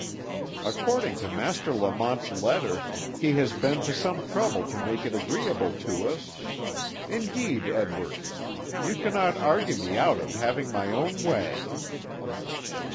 "According to Master Lamont's letter he has been to some trouble to make it agreeable to us. Indeed, Edward, you cannot argue me out of having my own way."